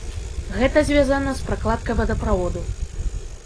Гэта звязана з пракладкай вадаправоду.